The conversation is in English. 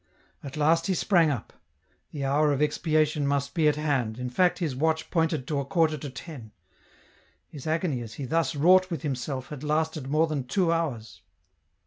At last he sprang up ; the hour of expiation must be at hand, in fact his watch pointed to a quarter to ten. His agony as he thus wrought with himself had lasted more than two hours.